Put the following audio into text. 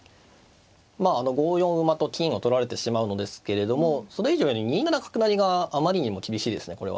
まあ５四馬と金を取られてしまうのですけれどもそれ以上に２七角成があまりにも厳しいですねこれは。